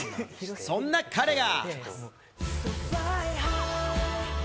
そんな彼が。